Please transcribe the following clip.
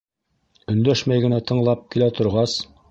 Өндәшмәй генә тыңлап килә торғас: